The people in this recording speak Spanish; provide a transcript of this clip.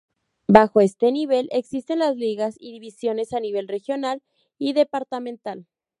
Bajo este nivel, existen las ligas y divisiones a nivel regional y departamental.